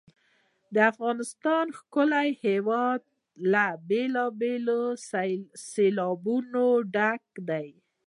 د افغانستان ښکلی هېواد له بېلابېلو سیلابونو ډک دی.